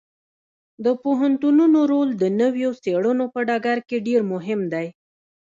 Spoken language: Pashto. د پوهنتونونو رول د نویو څیړنو په ډګر کې ډیر مهم دی.